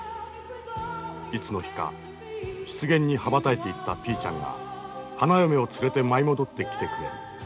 いつの日か湿原に羽ばたいていったピーちゃんが花嫁を連れて舞い戻ってきてくれる。